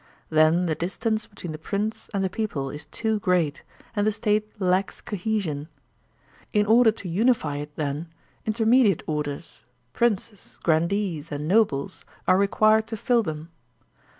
Then the distance between the Prince and the people is too great, and the State lacks cohesion. In order to unify it, then, intermediate orders, princes, grandees, and nobles, are required to fill them.